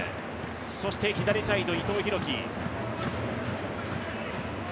そして左サイド、伊藤洋輝。